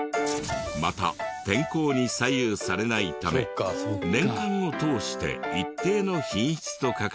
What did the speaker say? また天候に左右されないため年間を通して一定の品質と価格を維持。